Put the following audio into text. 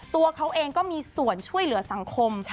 ตัวเขาเองก็มีส่วนช่วยเหลือสังคม